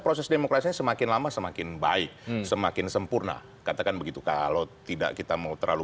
proses demokrasi semakin lama semakin baik semakin sempurna katakan begitu kalau tidak kita mau terlalu